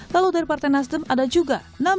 lalu dari partai nasdem ada juga